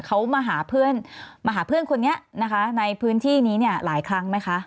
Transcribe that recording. เขามาหาเพื่อนมาหาเพื่อนคนนี้นะคะในพื้นที่นี้เนี่ยหลายครั้งไหมคะ